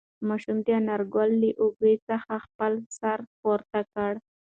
ماشوم د انارګل له اوږې څخه خپل سر پورته کړ.